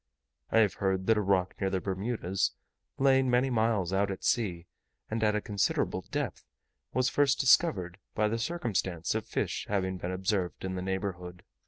I have heard that a rock near the Bermudas, lying many miles out at sea, and at a considerable depth, was first discovered by the circumstance of fish having been observed in the neighbourhood.